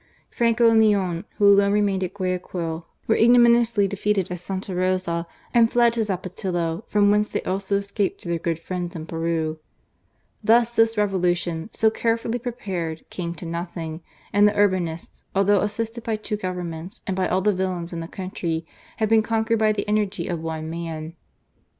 Franco and Leon, who alone remained at Guayaquil, were igno ONE AGAINST ALL. 153 miniously defeated at Sta. Rosa and fled to Xapo tillo, from whence they also escaped to their good friends in Peru. Thus this Revolution, so carefully prepared, came to nothing, and the Urbinists, although assisted by two Governments and by all the villains in the country, had been conquered ' by the energy of one man.